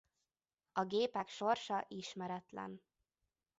A gépek sorsa ismeretlen.